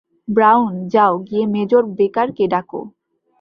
Brown, যাও গিয়ে major বেকারকে ডাকো।